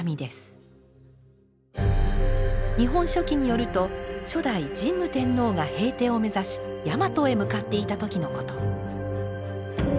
「日本書紀」によると初代神武天皇が平定を目指しやまとへ向かっていた時のこと。